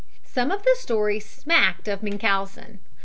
Some of the stories smacked of Munchausen.